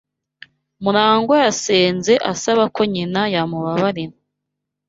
Murangwa yasenze asaba ko nyina yamubabarira.